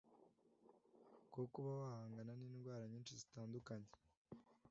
bwo kuba wahangana n'indwara nyinshi zitandukanye